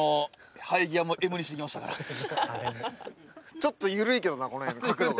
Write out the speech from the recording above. ちょっと緩いけどなこの辺の角度が。